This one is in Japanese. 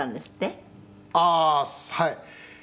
「ああーはい」